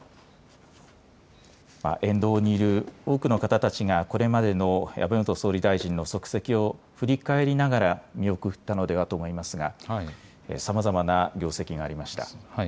沿道にいる多くの方たちがこれまでの安倍元総理大臣の足跡を振り返りながら見送ったのではと思いますがさまざまな業績がありました。